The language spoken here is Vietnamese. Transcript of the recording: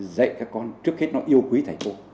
dạy các con trước hết nó yêu quý thầy cô